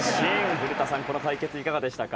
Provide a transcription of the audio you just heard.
古田さん、この対決いかがでしたか。